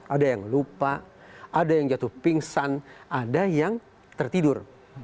ada yang lupa ada yang jatuh pingsan ada yang tertidur